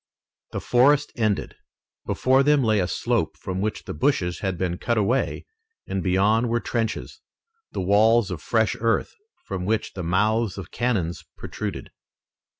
The forest ended. Before them lay a slope, from which the bushes had been cut away and beyond were trenches, and walls of fresh earth, from which the mouths of cannon protruded.